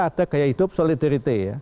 ada gaya hidup solidarity